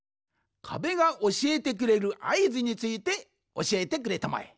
かべがおしえてくれるあいずについておしえてくれたまえ。